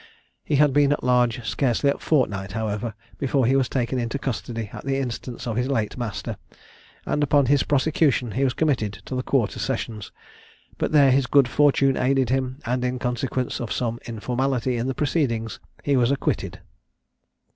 He had been at large scarcely a fortnight, however, before he was taken into custody at the instance of his late master, and upon his prosecution was committed to the quarter sessions, but there his good fortune aided him, and in consequence of some informality in the proceedings, he was acquitted.